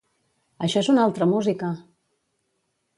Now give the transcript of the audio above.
Això és una altra música!